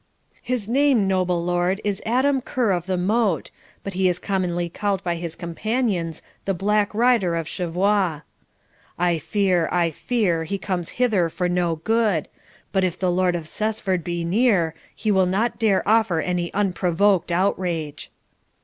'His name, noble lord, is Adam Kerr of the Moat, but he is commonly called by his companions the Black Rider of Cheviot. I fear, I fear, he comes hither for no good; but if the Lord of Cessford be near, he will not dare offer any unprovoked outrage.'